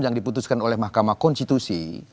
yang diputuskan oleh mahkamah konstitusi